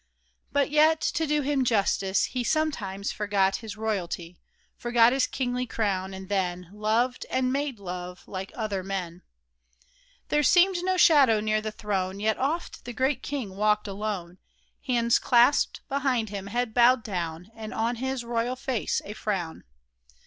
But yet, to do him justice, he Sometimes forgot his royalty —= Forgot his kingly crown, and then Loved, and made love, like other men I There seemed no shadow near the throne ; Yet oft the great king walked alone, Hands clasped behind him, head bowed down, And on his royal face a frown.